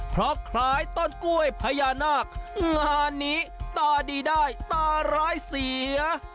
เพราะคล้ายต้นกล้วยพญานาคงานนี้ตาดีได้ตาร้ายเสีย